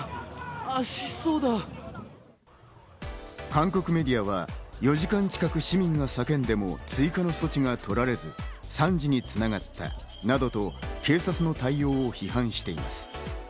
韓国メディアは４時間近く市民が叫んでも追加の措置がとられず、惨事に繋がったなどと警察の対応を批判しています。